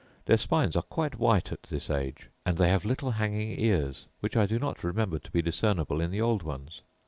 Their spines are quite white at this age; and they have little hanging ears, which I do not remember to be discernible in the old ones.